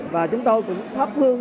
và chúng tôi cũng thắp hương